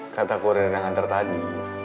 kata kuririn hantar tadi